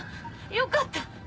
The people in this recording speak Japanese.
よかった！